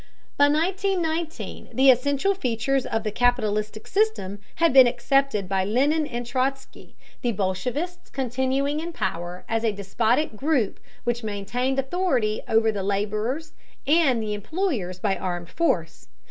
By 1919 the essential features of the capitalistic system had been accepted by Lenin and Trotzky, the bolshevists continuing in power as a despotic group which maintained authority over the laborers and the employers by armed force.